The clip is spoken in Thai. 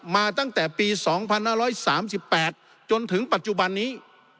มาตั้งแต่ปี๒๕๓๘จนถึงปัจจุบันนี้